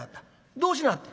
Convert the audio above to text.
どうしなはった？」。